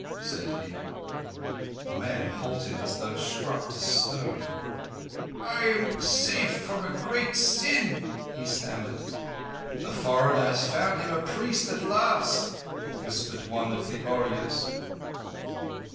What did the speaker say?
said he. The man halted as though struck to stone. "I—I—am saved from a great sin," he stammered. "The foreigner has found him a priest at last," whispered one of the Ooryas.